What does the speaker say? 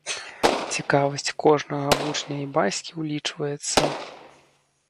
Цікавасць кожнага вучня і бацькі улічваецца!